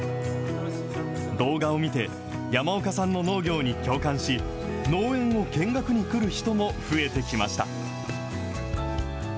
動画を見て、山岡さんの農業に共感し、農園を見学に来る人も増えてきました。